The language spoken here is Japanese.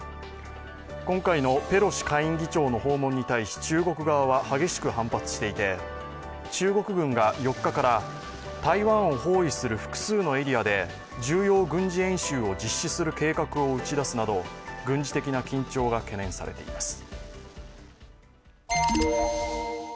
今回のペロシ下院議長の訪問に対し中国側は激しく反発していて、中国軍が４日から、台湾を包囲する複数のエリアで重要軍事演習を実施する計画を打ち出すなど軍事的な緊張が懸念されています。